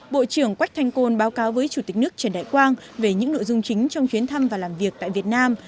bộ trưởng quách thanh côn báo cáo với chủ tịch nước trần đại quang về những nội dung chính trong chuyến thăm và làm việc tại việt nam